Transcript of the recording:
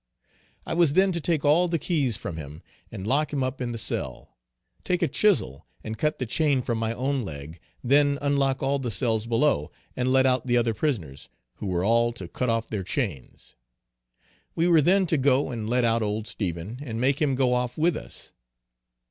I was then to take all the keys from him, and lock him up in the cell take a chisel and cut the chain from my own leg, then unlock all the cells below, and let out the other prisoners, who were all to cut off their chains. We were then to go and let out old Stephen, and make him go off with us.